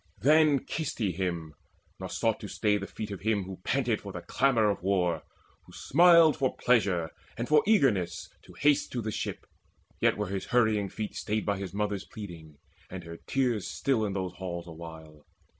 Then kissed he him, nor sought to stay the feet Of him who panted for the clamour of war, Who smiled for pleasure and for eagerness To haste to the ship. Yet were his hurrying feet Stayed by his mother's pleading and her tears Still in those halls awhile.